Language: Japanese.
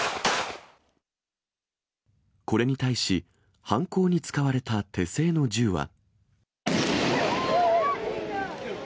これに対し、犯行に使われた手製の銃は。